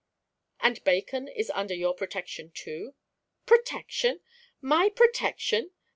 "And Bacon is under your protection, too?" "Protection! my protection?"